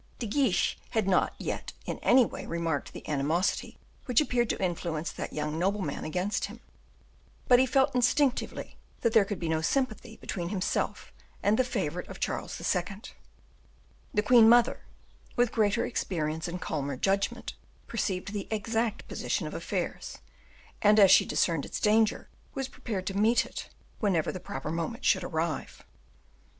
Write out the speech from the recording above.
De Guiche had not yet in any way remarked the animosity which appeared to influence that young nobleman against him, but he felt, instinctively, that there could be no sympathy between himself and the favorite of Charles II. The queen mother, with greater experience and calmer judgment, perceived the exact position of affairs, and, as she discerned its danger, was prepared to meet it, whenever the proper moment should arrive.